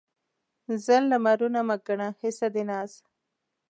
زر لمرونه مه ګڼه حصه د ناز